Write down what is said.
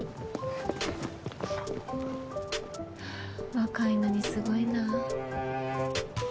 若いのにすごいな。